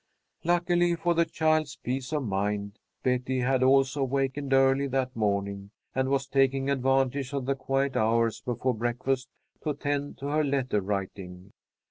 Luckily for the child's peace of mind, Betty had also wakened early that morning, and was taking advantage of the quiet hours before breakfast to attend to her letter writing.